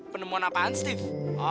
penemuan apaan steve